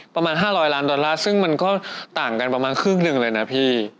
ประมาณ๕๐๐ล้านดอลลาร์ซึ่งมันก็ต่างกันประมาณครึ่งหนึ่งเลยนะพี่